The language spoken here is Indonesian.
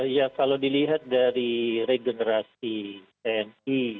ya kalau dilihat dari regenerasi tni